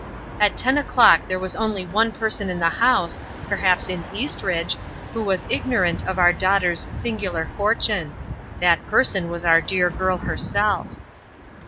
At ten o'clock there was only one person in the house, perhaps in Eastridge, who was ignorant of our daughter's singular fortune. That person was our dear girl herself.